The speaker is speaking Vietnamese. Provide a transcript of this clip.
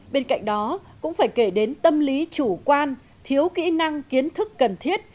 bên cạnh đó cũng phải kể đến tâm lý chủ quan thiếu kỹ năng kiến thức cần thiết